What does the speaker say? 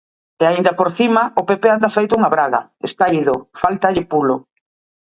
E aínda por cima o Pepe anda feito unha braga, está ido, fáltalle pulo.